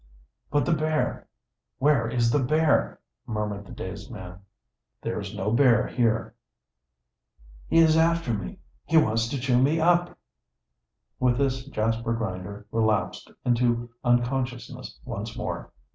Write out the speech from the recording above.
"But the bear! Where is the bear?" murmured the dazed man. "There is no bear here." "He is after me! He wants to chew me up!" With this Jasper Grinder relapsed into unconsciousness once more.